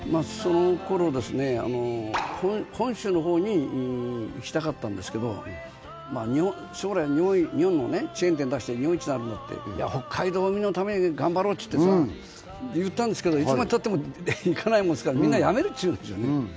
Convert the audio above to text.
そのころ本州の方に行きたかったんですけど将来日本のねチェーン店出して日本一になるんだって北海道民のために頑張ろうってさ言ったんですけどいつまでたっても行かないものですからみんな辞めるって言うんですよね